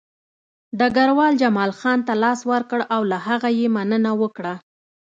ډګروال جمال خان ته لاس ورکړ او له هغه یې مننه وکړه